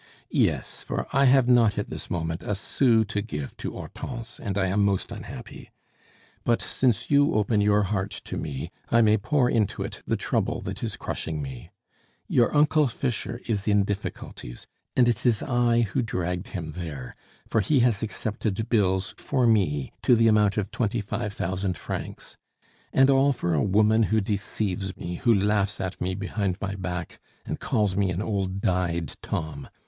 "Yes, for I have not at this moment a sou to give to Hortense, and I am most unhappy. But since you open your heart to me, I may pour into it the trouble that is crushing me. Your Uncle Fischer is in difficulties, and it is I who dragged him there, for he has accepted bills for me to the amount of twenty five thousand francs! And all for a woman who deceives me, who laughs at me behind my back, and calls me an old dyed Tom.